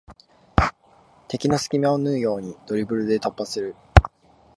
敵の隙間を縫うようにドリブルで突破する